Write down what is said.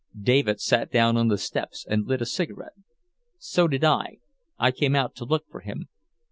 David sat down on the steps and lit a cigarette. "So did I. I came out to look for him."